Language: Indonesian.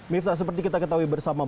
mifta seperti kita ketahui bersama sama